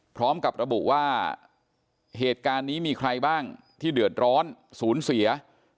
พร้อมกับระบุว่าเหตุการณ์นี้มีใครบ้างที่เดือดร้อนศูนย์เสีย